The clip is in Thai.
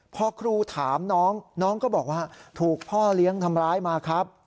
พอครูถามน้องน้องก็บอกว่าถูกพ่อเลี้ยงทำร้ายมาครับ